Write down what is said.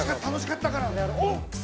楽しかったから。